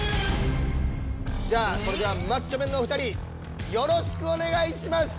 じゃあそれではマッチョメンのお二人よろしくお願いします！